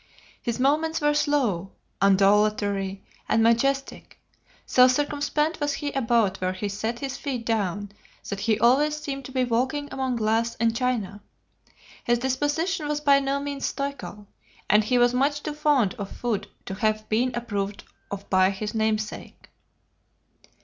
His movements were slow, undulatory, and majestic: so circumspect was he about where he set his feet down that he always seemed to be walking among glass and china. His disposition was by no means stoical, and he was much too fond of food to have been approved of by his namesake.